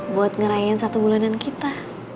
buat ngerayain satu bulanan kita